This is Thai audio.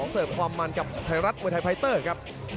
เสิร์ฟความมันกับไทยรัฐมวยไทยไฟเตอร์ครับ